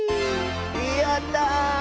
やった！